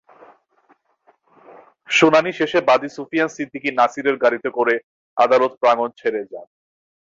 শুনানি শেষে বাদী সুফিয়ান সিদ্দিকী নাছিরের গাড়িতে করে আদালত প্রাঙ্গণ ছেড়ে যান।